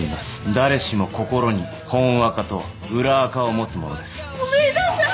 誰しも心に本アカと裏アカを持つものですごめんなさい